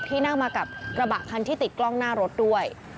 ที่นั่งมากับกระบะคันที่ติดกล้องหน้ารถด้วย